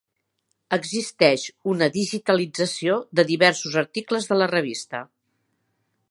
Existeix una digitalització de diversos articles de la revista.